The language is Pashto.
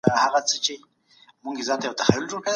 د انټرنیټي اسانتیاوو چمتو کول د عصري زده کړي بنسټ دی.